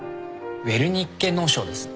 ウェルニッケ脳症です